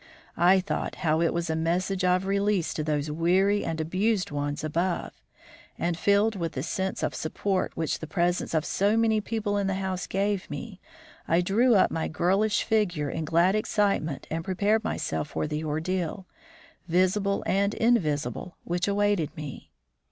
I thought how it was a message of release to those weary and abused ones above; and, filled with the sense of support which the presence of so many people in the house gave me, I drew up my girlish figure in glad excitement and prepared myself for the ordeal, visible and invisible, which awaited me.